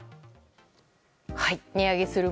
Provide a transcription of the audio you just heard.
値上げする